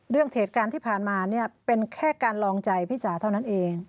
เรื่องเหตุการณ์ที่ผ่านมาเนี่ยเป็นแค่การลองใจพี่จ๋าเท่านั้นเอง